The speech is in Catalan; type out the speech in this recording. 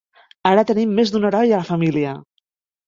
Ara tenim més d'un heroi a la família.